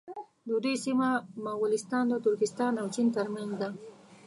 د دوی سیمه مغولستان د ترکستان او چین تر منځ ده.